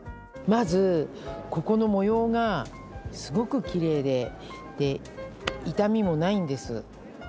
まずここの模様がすごくきれいでで傷みもないんです。